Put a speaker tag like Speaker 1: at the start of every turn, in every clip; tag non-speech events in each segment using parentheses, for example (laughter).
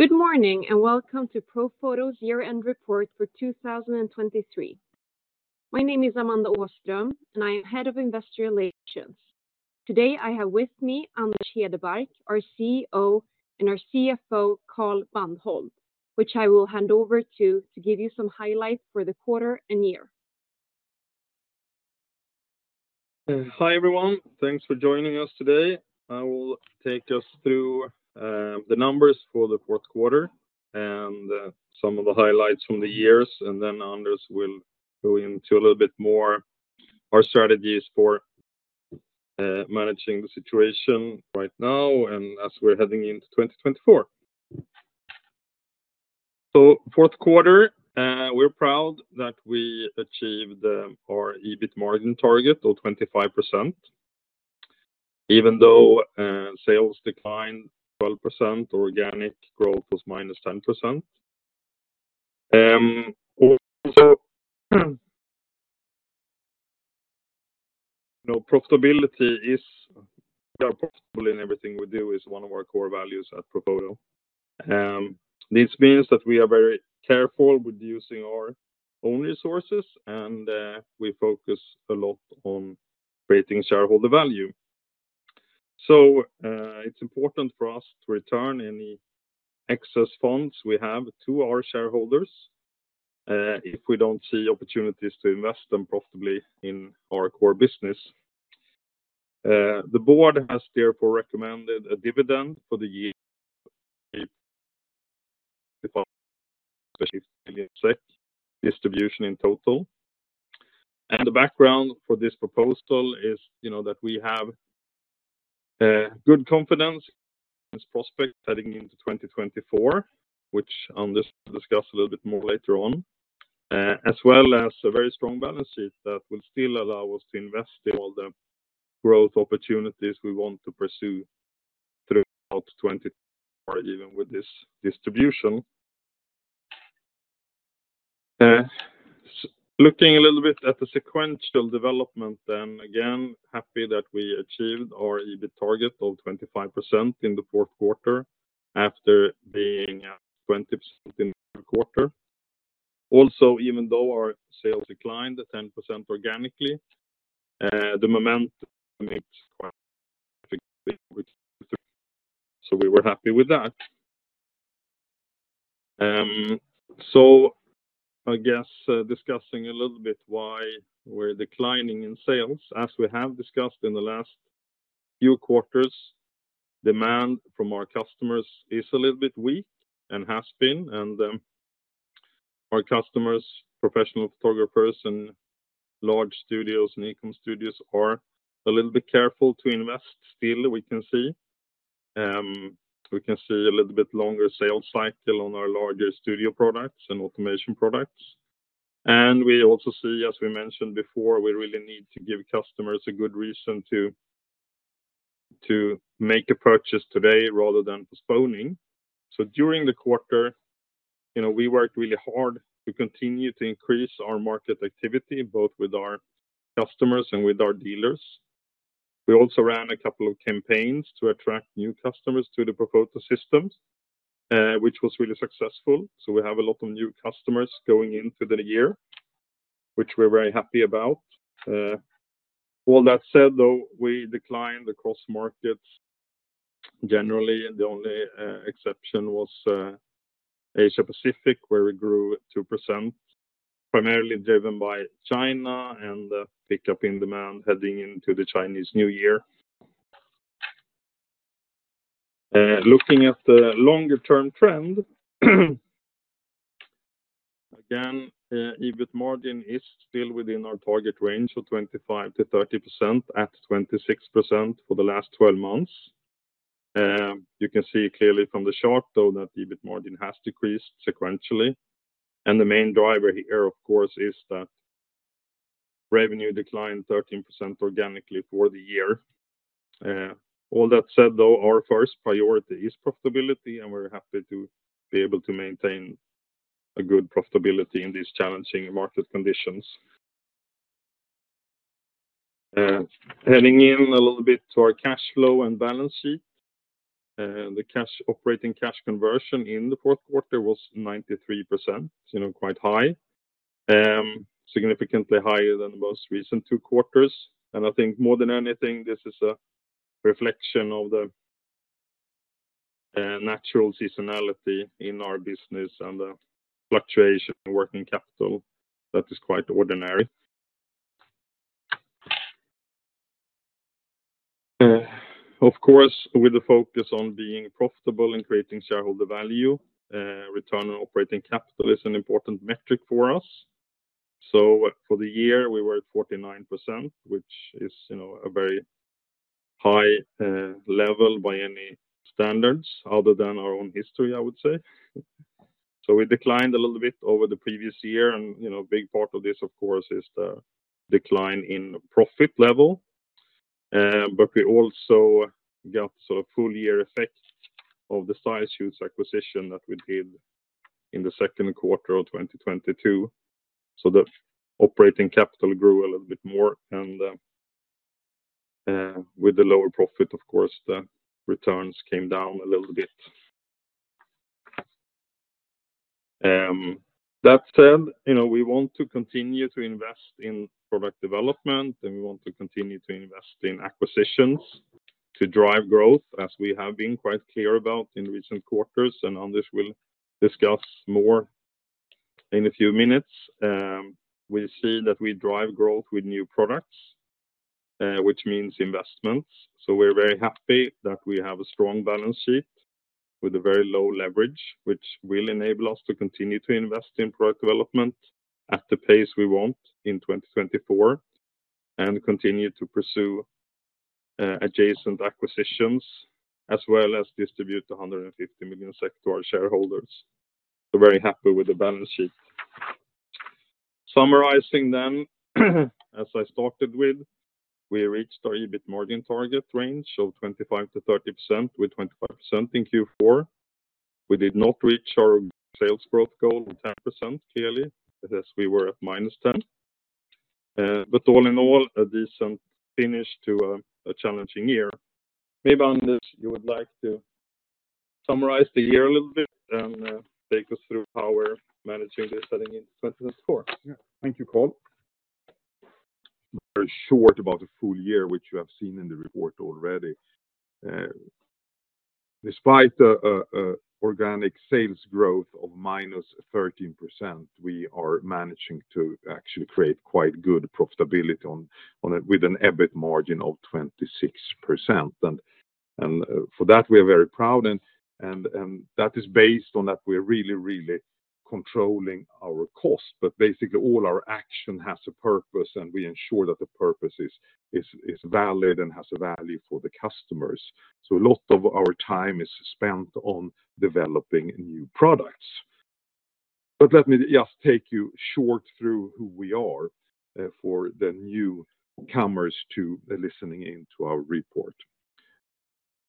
Speaker 1: Good morning, and welcome to Profoto's year-end report for 2023. My name is Amanda Åström, and I am Head of Investor Relations. Today, I have with me Anders Hedebark, our CEO, and our CFO, Carl Bandhold, which I will hand over to give you some highlights for the quarter and year.
Speaker 2: Hi, everyone. Thanks for joining us today. I will take us through the numbers for the fourth quarter and some of the highlights from the years, and then Anders will go into a little bit more our strategies for managing the situation right now and as we're heading into 2024. So fourth quarter, we're proud that we achieved our EBIT margin target of 25%, even though sales declined 12%, organic growth was -10%. Also, you know, profitability is... Well, profitability in everything we do is one of our core values at Profoto. This means that we are very careful with using our own resources, and we focus a lot on creating shareholder value. It's important for us to return any excess funds we have to our shareholders, if we don't see opportunities to invest them profitably in our core business. The board has therefore recommended a dividend for the year... distribution in total. And the background for this proposal is, you know, that we have good confidence in prospects heading into 2024, which Anders will discuss a little bit more later on, as well as a very strong balance sheet that will still allow us to invest in all the growth opportunities we want to pursue throughout 2024, even with this distribution. Looking a little bit at the sequential development, then again, happy that we achieved our EBIT target of 25% in the fourth quarter after being at 20% in the third quarter. Also, even though our sales declined 10% organically, the momentum. (inaudible) We were happy with that. So I guess, discussing a little bit why we're declining in sales. As we have discussed in the last few quarters, demand from our customers is a little bit weak and has been, and our customers, professional photographers and large studios and e-com studios, are a little bit careful to invest still, we can see. We can see a little bit longer sales cycle on our larger studio products and automation products. And we also see, as we mentioned before, we really need to give customers a good reason to make a purchase today rather than postponing. So during the quarter, you know, we worked really hard to continue to increase our market activity, both with our customers and with our dealers. We also ran a couple of campaigns to attract new customers to the Profoto systems, which was really successful. So we have a lot of new customers going into the year, which we're very happy about. All that said, though, we declined across markets generally, and the only exception was Asia Pacific, where we grew 2%, primarily driven by China and a pickup in demand heading into the Chinese New Year. Looking at the longer-term trend, again, EBIT margin is still within our target range of 25%-30%, at 26% for the last twelve months. You can see clearly from the chart, though, that EBIT margin has decreased sequentially, and the main driver here, of course, is that revenue declined 13% organically for the year. All that said, though, our first priority is profitability, and we're happy to be able to maintain a good profitability in these challenging market conditions. Heading in a little bit to our cash flow and balance sheet. The cash operating cash conversion in the fourth quarter was 93%, you know, quite high. Significantly higher than the most recent two quarters. I think more than anything, this is a reflection of the natural seasonality in our business and the fluctuation in working capital that is quite ordinary. Of course, with the focus on being profitable and creating shareholder value, return on operating capital is an important metric for us. So for the year, we were at 49%, which is, you know, a very high level by any standards other than our own history, I would say. So we declined a little bit over the previous year, and, you know, a big part of this, of course, is the decline in profit level. But we also got sort of full year effect of the StyleShoots acquisition that we did in the second quarter of 2022. So the operating capital grew a little bit more and, with the lower profit, of course, the returns came down a little bit. That said, you know, we want to continue to invest in product development, and we want to continue to invest in acquisitions to drive growth, as we have been quite clear about in recent quarters. And Anders will discuss more in a few minutes. We see that we drive growth with new products, which means investments. So we're very happy that we have a strong balance sheet with a very low leverage, which will enable us to continue to invest in product development at the pace we want in 2024, and continue to pursue adjacent acquisitions, as well as distribute 150 million to our shareholders. We're very happy with the balance sheet. Summarizing then, as I started with, we reached our EBIT margin target range of 25%-30%, with 25% in Q4. We did not reach our sales growth goal of 10%, clearly, as we were at -10%. But all in all, a decent finish to a challenging year. Maybe, Anders, you would like to summarize the year a little bit and take us through how we're managing this heading in 2024.
Speaker 3: Yeah. Thank you, Carl. Very short about the full year, which you have seen in the report already. Despite a organic sales growth of -13%, we are managing to actually create quite good profitability on a-- with an EBIT margin of 26%, and for that, we are very proud and that is based on that we're really, really controlling our cost. But basically, all our action has a purpose, and we ensure that the purpose is valid and has a value for the customers. So a lot of our time is spent on developing new products. But let me just take you short through who we are, for the newcomers to listening in to our report.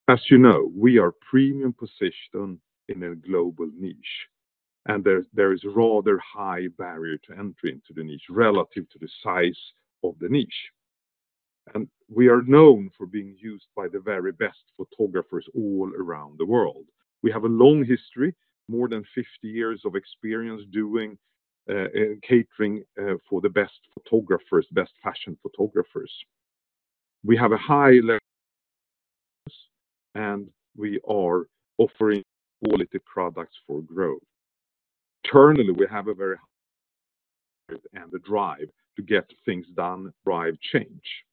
Speaker 3: As you know, we are premium positioned in a global niche, and there, there is a rather high barrier to entry into the niche relative to the size of the niche. We are known for being used by the very best photographers all around the world. We have a long history, more than 50 years of experience doing catering for the best photographers, best fashion photographers. We have a high level, and we are offering quality products for growth. Internally, we have a very high and the drive to get things done, drive change.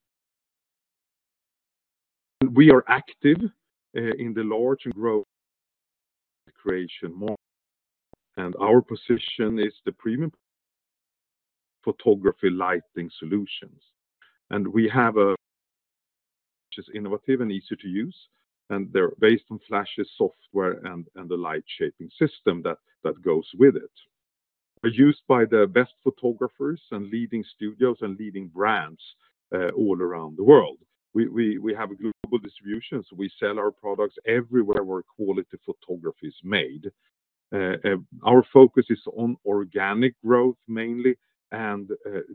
Speaker 3: We are active in the large and growing content creation market, and our position is the premium photography lighting solutions. We have a which is innovative and easy to use, and they're based on flashes, software, and the light-shaping system that goes with it. They're used by the best photographers and leading studios and leading brands all around the world. We have a global distribution, so we sell our products everywhere where quality photography is made. Our focus is on organic growth, mainly, and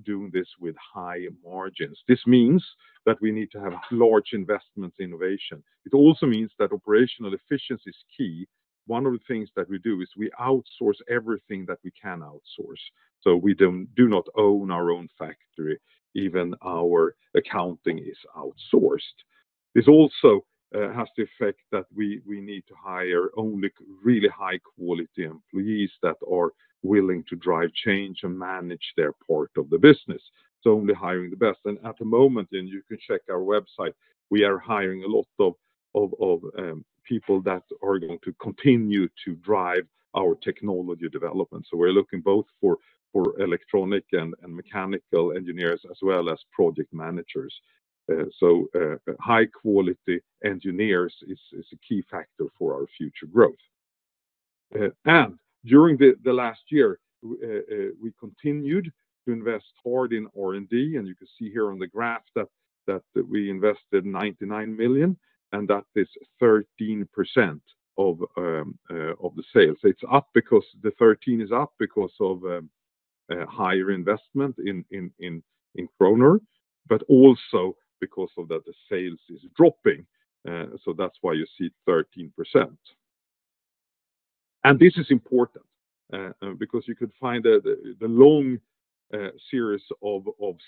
Speaker 3: doing this with high margins. This means that we need to have large investment innovation. It also means that operational efficiency is key. One of the things that we do is we outsource everything that we can outsource, so we do not own our own factory. Even our accounting is outsourced. This also has the effect that we need to hire only really high-quality employees that are willing to drive change and manage their part of the business. So only hiring the best. At the moment, and you can check our website, we are hiring a lot of people that are going to continue to drive our technology development. We're looking both for electronic and mechanical engineers, as well as project managers. High-quality engineers is a key factor for our future growth. And during the last year, we continued to invest hard in R&D, and you can see here on the graph that we invested 99 million, and that is 13% of the sales. It's up because the 13% is up because of higher investment in kronor, but also because of that, the sales is dropping. That's why you see 13%. This is important, because you could find that the long series of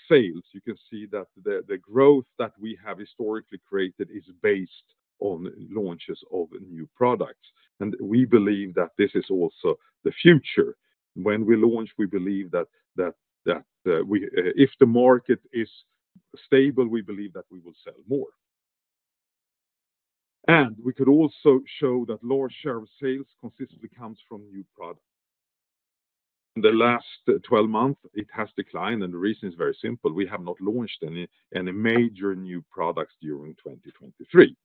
Speaker 3: sales, you can see that the growth that we have historically created is based on launches of new products. We believe that this is also the future. When we launch, we believe that if the market is stable, we believe that we will sell more. We could also show that lower share of sales consistently comes from new products. In the last 12 months, it has declined, and the reason is very simple: we have not launched any major new products during 2023.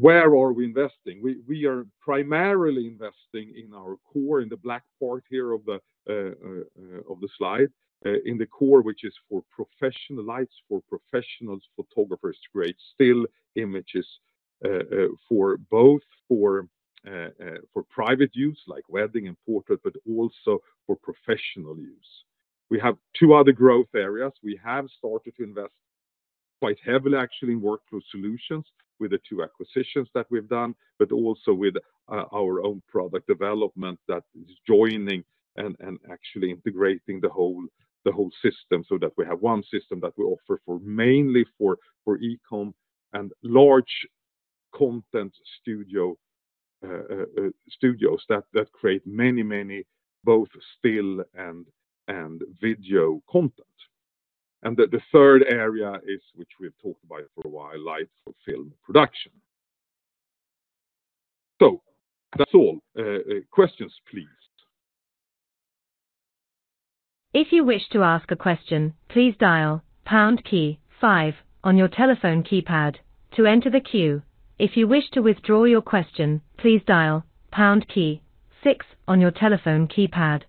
Speaker 3: Where are we investing? We are primarily investing in our core, in the black part here of the slide. In the core, which is for professional lights, for professional photographers to create still images. For both private use, like wedding and portrait, but also for professional use. We have two other growth areas. We have started to invest quite heavily, actually, in workflow solutions with the two acquisitions that we've done, but also with our own product development that is joining and actually integrating the whole system, so that we have one system that we offer mainly for e-com and large content studios that create many both still and video content. And the third area is, which we have talked about for a while, live film production. So that's all. Questions, please.
Speaker 4: If you wish to ask a question, please dial pound key five on your telephone keypad to enter the queue. If you wish to withdraw your question, please dial pound key six on your telephone keypad.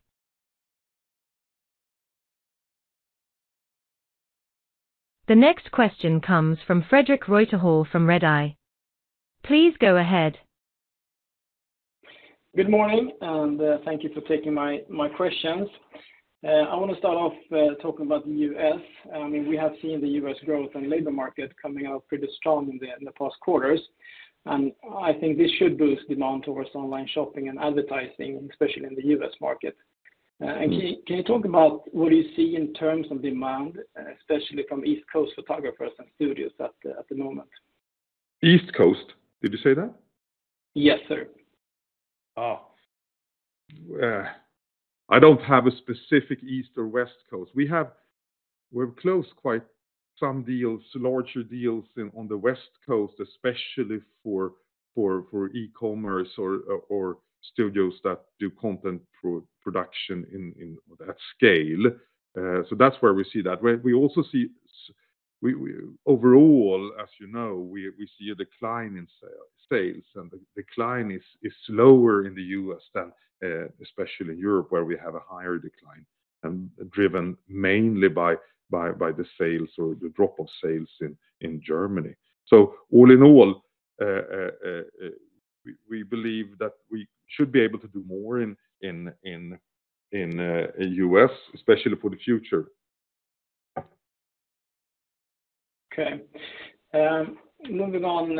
Speaker 4: The next question comes from Fredrik Reuterhäll from Redeye. Please go ahead.
Speaker 5: Good morning, and thank you for taking my, my questions. I want to start off talking about the U.S.. I mean, we have seen the U.S. growth and labor market coming out pretty strong in the past quarters, and I think this should boost demand towards online shopping and advertising, especially in the U.S. market. Can you talk about what you see in terms of demand, especially from East Coast photographers and studios at the moment?
Speaker 3: East Coast, did you say that?
Speaker 5: Yes, sir.
Speaker 3: Oh, I don't have a specific East or West Coast. We have we've closed quite some deals, larger deals in on the West Coast, especially for e-commerce or studios that do content production in at scale. So that's where we see that. We also see overall, as you know, we see a decline in sales, and the decline is slower in the U.S. than especially Europe, where we have a higher decline, and driven mainly by the sales or the drop of sales in Germany. So all in all, we believe that we should be able to do more in U.S., especially for the future.
Speaker 5: Okay. Moving on,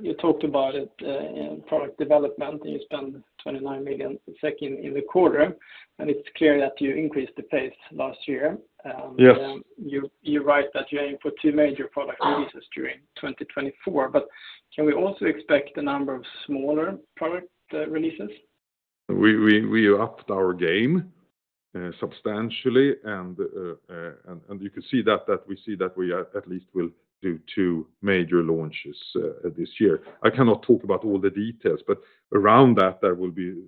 Speaker 5: you talked about it in product development, and you spend 29 million in the second quarter, and it's clear that you increased the pace last year.
Speaker 3: Yes.
Speaker 5: You write that you aim for two major product releases during 2024, but can we also expect a number of smaller product releases?
Speaker 3: We upped our game substantially, and you can see that we see that we at least will do two major launches this year. I cannot talk about all the details, but around that, there will be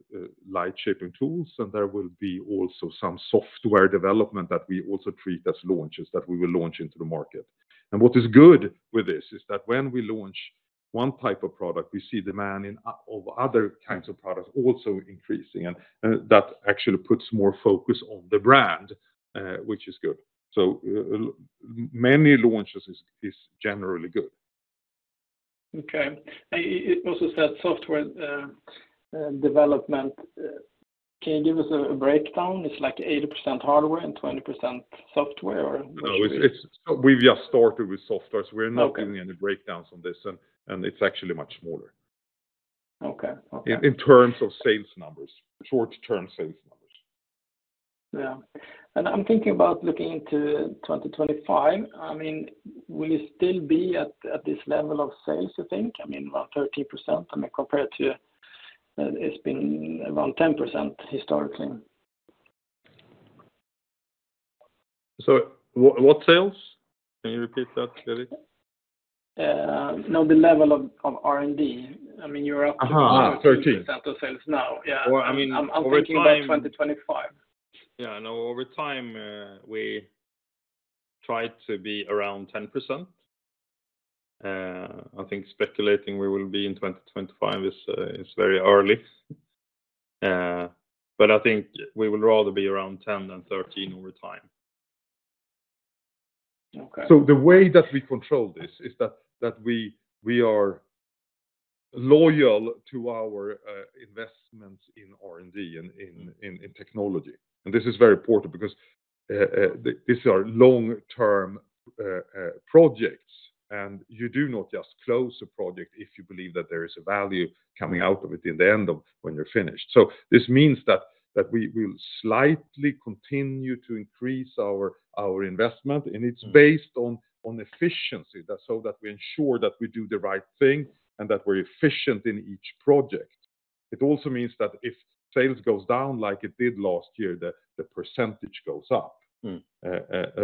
Speaker 3: light shaping tools, and there will be also some software development that we also treat as launches, that we will launch into the market. And what is good with this is that when we launch one type of product, we see demand in other kinds of products also increasing, and that actually puts more focus on the brand, which is good. So many launches is generally good.
Speaker 5: Okay. You also said software development. Can you give us a breakdown? It's like 80% hardware and 20% software, or...?
Speaker 3: No, it's—we've just started with software, so we're—
Speaker 5: Okay...
Speaker 3: not giving any breakdowns on this, and, and it's actually much smaller.
Speaker 5: Okay. Okay.
Speaker 3: In terms of sales numbers, short-term sales numbers.
Speaker 5: Yeah. And I'm thinking about looking into 2025. I mean, will you still be at this level of sales, you think? I mean, about 13%, I mean, compared to, it's been around 10% historically.
Speaker 2: So what, what sales? Can you repeat that, Fredrik?
Speaker 5: No, the level of R&D. I mean, you're up-
Speaker 2: Aha, thirteen.
Speaker 5: 13% of sales now. Yeah.
Speaker 2: Well, I mean, over time-
Speaker 5: I'm thinking about 2025.
Speaker 2: Yeah, I know over time, we try to be around 10%. I think speculating we will be in 2025 is very early. But I think we will rather be around 10 than 13 over time.
Speaker 5: Okay.
Speaker 3: So the way that we control this is that we are loyal to our investments in R&D and in technology. And this is very important because these are long-term projects, and you do not just close a project if you believe that there is a value coming out of it in the end when you're finished. So this means that we will slightly continue to increase our investment, and it's based on efficiency, so that we ensure that we do the right thing and that we're efficient in each project. It also means that if sales goes down like it did last year, the percentage goes up.
Speaker 5: Mm.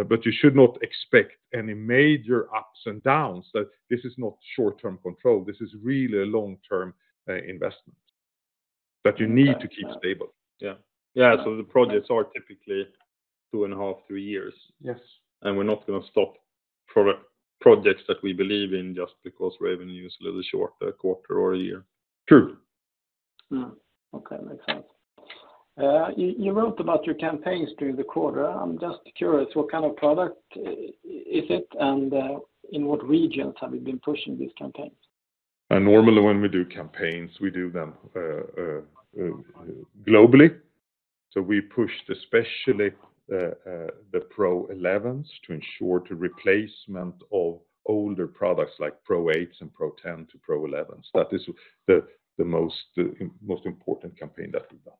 Speaker 3: But you should not expect any major ups and downs, that this is not short-term control. This is really a long-term investment that you need to keep stable.
Speaker 5: Yeah.
Speaker 2: Yeah, the projects are typically 2.5-3 years.
Speaker 5: Yes.
Speaker 2: We're not going to stop projects that we believe in just because revenue is a little short a quarter or a year.
Speaker 3: True....
Speaker 5: Mm-hmm. Okay, makes sense. You wrote about your campaigns during the quarter. I'm just curious, what kind of product is it, and in what regions have you been pushing these campaigns?
Speaker 3: Normally, when we do campaigns, we do them globally. So we pushed especially the Pro-11s to ensure the replacement of older products like Pro-8s and Pro-10 to Pro-11s. That is the most important campaign that we've done.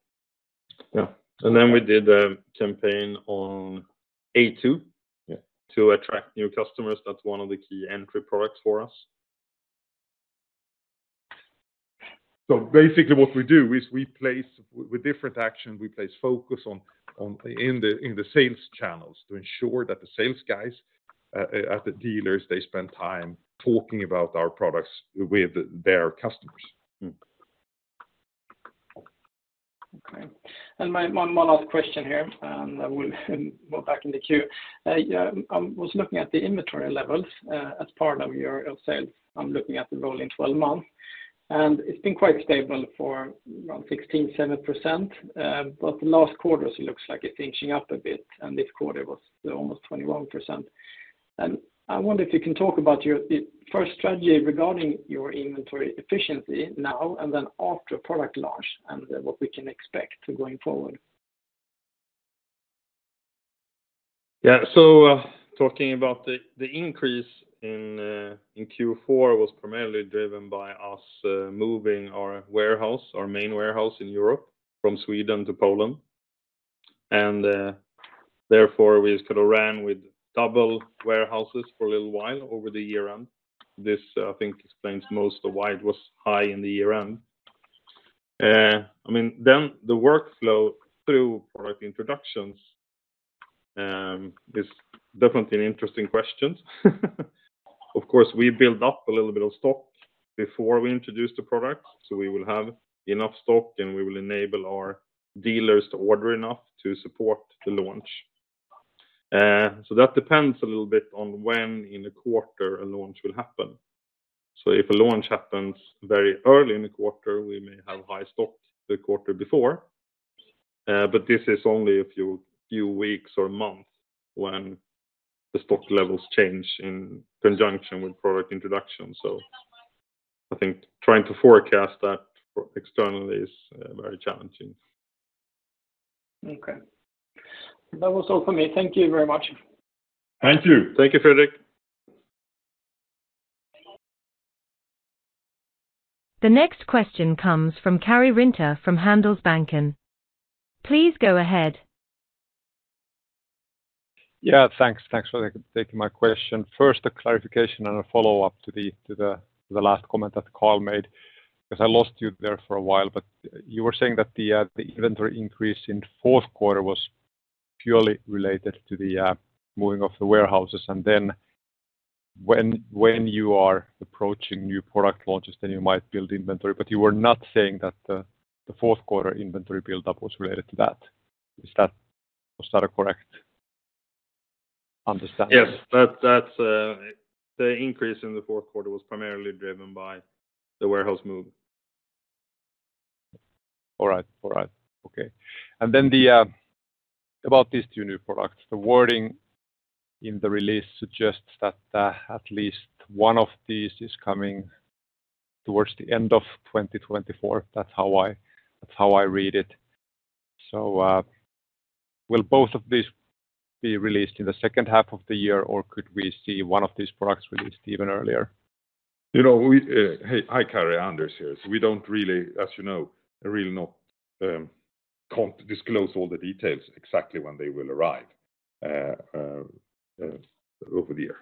Speaker 2: Yeah. And then we did a campaign on A2-
Speaker 3: Yeah
Speaker 2: to attract new customers. That's one of the key entry products for us.
Speaker 3: Basically, what we do is we place focus on the sales channels to ensure that the sales guys at the dealers they spend time talking about our products with their customers.
Speaker 5: Mm-hmm. Okay. And my one last question here, and I will go back in the queue. Yeah, I was looking at the inventory levels as part of your sales. I'm looking at the rolling twelve months, and it's been quite stable for around 16%-17%. But the last quarter, it looks like it's inching up a bit, and this quarter was almost 21%. And I wonder if you can talk about your first strategy regarding your inventory efficiency now, and then after product launch, and what we can expect going forward.
Speaker 2: Yeah. So, talking about the increase in Q4 was primarily driven by us moving our warehouse, our main warehouse in Europe from Sweden to Poland. And, therefore, we sort of ran with double warehouses for a little while over the year-round. This, I think, explains most of why it was high in the year-round. I mean, then the workflow through product introductions is definitely an interesting question. Of course, we build up a little bit of stock before we introduce the product, so we will have enough stock, and we will enable our dealers to order enough to support the launch. So that depends a little bit on when in the quarter a launch will happen. So if a launch happens very early in the quarter, we may have high stock the quarter before, but this is only a few weeks or months when the stock levels change in conjunction with product introduction. So I think trying to forecast that externally is very challenging.
Speaker 5: Okay. That was all for me. Thank you very much.
Speaker 3: Thank you.
Speaker 2: Thank you, Fredrik.
Speaker 4: The next question comes from Karri Rinta from Handelsbanken. Please go ahead.
Speaker 6: Yeah, thanks. Thanks for taking my question. First, a clarification and a follow-up to the last comment that Carl made, 'cause I lost you there for a while, but you were saying that the inventory increase in fourth quarter was purely related to the moving of the warehouses, and then when you are approaching new product launches, then you might build inventory. But you were not saying that the fourth quarter inventory buildup was related to that. Is that? Was that a correct understanding?
Speaker 2: Yes. The increase in the fourth quarter was primarily driven by the warehouse move.
Speaker 6: All right. All right. Okay. And then, about these two new products, the wording in the release suggests that at least one of these is coming towards the end of 2024. That's how I, that's how I read it. So, will both of these be released in the second half of the year, or could we see one of these products released even earlier?
Speaker 3: You know, we... Hey, hi, Karri, Anders here. So we don't really, as you know, really not, can't disclose all the details, exactly when they will arrive, over the year.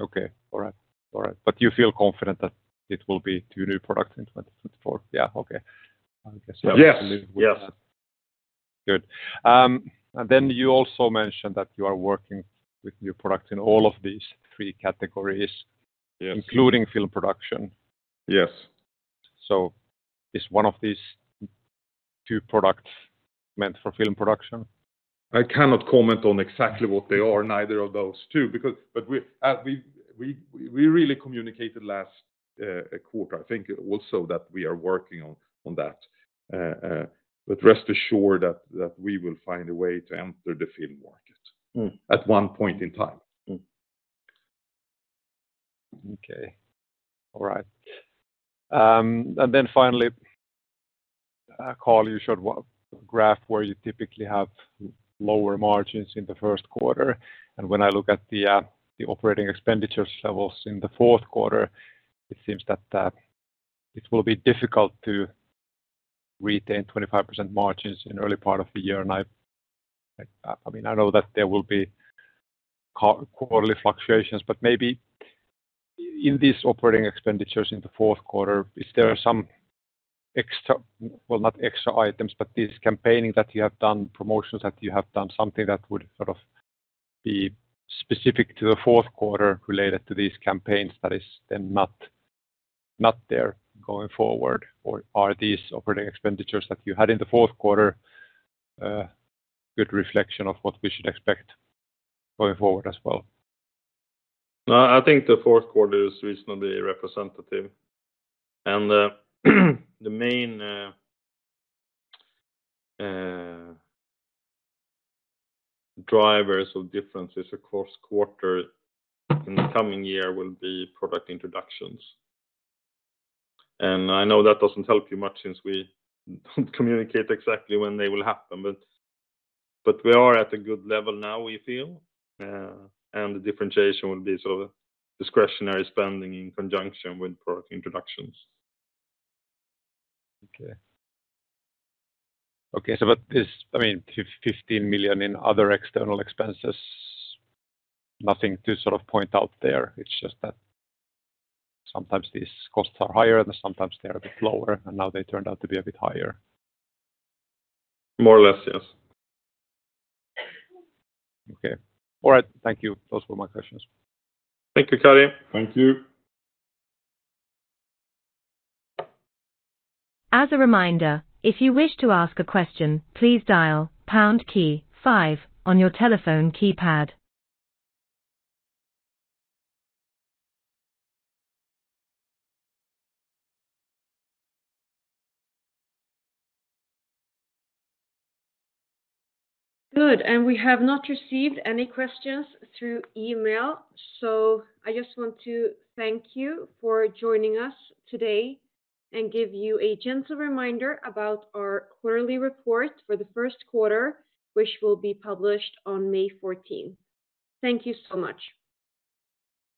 Speaker 6: Okay. All right. All right. But you feel confident that it will be two new products in 2024? Yeah, okay. I guess-
Speaker 3: Yes, yes.
Speaker 6: Good. And then you also mentioned that you are working with new products in all of these three categories-
Speaker 3: Yes...
Speaker 6: including film production.
Speaker 3: Yes.
Speaker 6: Is one of these two products meant for film production?
Speaker 3: I cannot comment on exactly what they are, neither of those two, because—but we really communicated last quarter, I think also that we are working on that. But rest assured that we will find a way to enter the film market-
Speaker 6: Mm
Speaker 3: at one point in time.
Speaker 6: Okay. All right. And then finally, Carl, you showed one graph where you typically have lower margins in the first quarter. And when I look at the, the operating expenditures levels in the fourth quarter, it seems that it will be difficult to retain 25% margins in early part of the year. And I, I mean, I know that there will be quarterly fluctuations, but maybe in this operating expenditures in the fourth quarter, is there are some extra, well, not extra items, but this campaigning that you have done, promotions that you have done, something that would sort of be specific to the fourth quarter related to these campaigns that is then not, not there going forward? Or are these operating expenditures that you had in the fourth quarter, good reflection of what we should expect going forward as well?
Speaker 2: No, I think the fourth quarter is reasonably representative. The main drivers of differences across quarter in the coming year will be product introductions. I know that doesn't help you much since we don't communicate exactly when they will happen, but we are at a good level now, we feel, and the differentiation will be sort of discretionary spending in conjunction with product introductions.
Speaker 6: Okay. Okay, so but this, I mean, 15 million in other external expenses, nothing to sort of point out there. It's just that sometimes these costs are higher, and sometimes they are a bit lower, and now they turned out to be a bit higher.
Speaker 2: More or less, yes.
Speaker 6: Okay. All right. Thank you. Those were my questions.
Speaker 5: Thank you, Karri.
Speaker 3: Thank you.
Speaker 4: As a reminder, if you wish to ask a question, please dial pound key five on your telephone keypad.
Speaker 1: Good, and we have not received any questions through email, so I just want to thank you for joining us today and give you a gentle reminder about our quarterly report for the first quarter, which will be published on May 14th. Thank you so much.